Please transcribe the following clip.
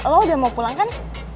lo udah mau pulang kan